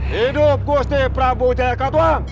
hidup gusti prabu jaya katua